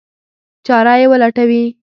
چاره یې ولټوي.